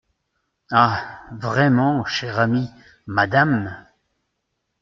Ah ! vraiment, cher ami, madame !